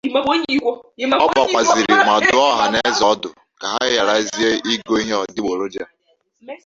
Ọ kpọkwàzịrị ma dụọ ọhaneze ọdụ ka ha gharazie igo ihe adịgboloja